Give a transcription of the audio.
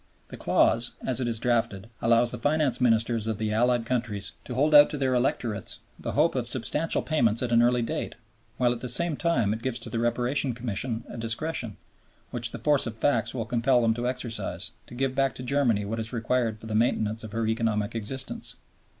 The clause, as it is drafted, allows the Finance Ministers of the Allied countries to hold out to their electorates the hope of substantial payments at an early date, while at the same time it gives to the Reparation Commission a discretion, which the force of facts will compel them to exercise, to give back to Germany what is required for the maintenance of her economic existence.